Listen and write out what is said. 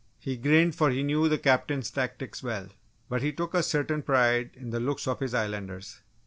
He grinned for he knew the Captain's tactics well. But he took a certain pride in the looks of his Islanders.